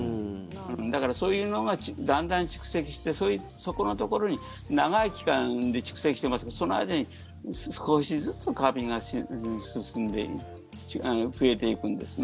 だからそういうのがだんだん蓄積してそこのところに長い期間で蓄積してその間に少しずつカビが増えていくんですね。